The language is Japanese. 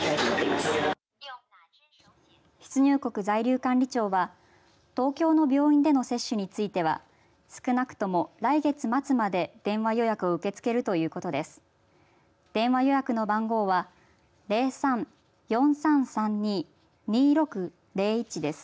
出入国在留管理庁は東京の病院での接種については少なくとも来月末まで電話予約を受け付けるということです。